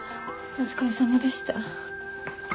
お疲れさまでした。